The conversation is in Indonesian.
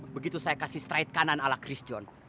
begitu saya kasih straight kanan ala christian